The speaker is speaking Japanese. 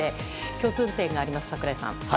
共通点があります、櫻井さん。